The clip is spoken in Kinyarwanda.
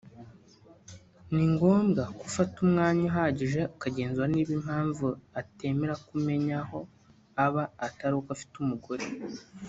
ni ngombwa ko ufata umwanya uhagije ukagenzura niba impamvu atemera ko umenya aho aba atari uko afite umugore